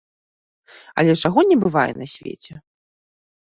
Але чаго не бывае на свеце!